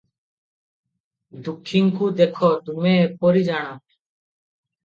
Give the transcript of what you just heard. ଦୁଃଖୀଙ୍କୁ ଦେଖ ତୁମେ ଏପରି ଜାଣ ।